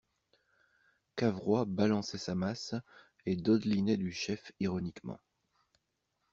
Cavrois balançait sa masse, et dodelinait du chef ironiquement.